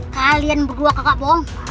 kalian berdua kakak bohong